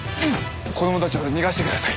子どもたちを逃がしてください！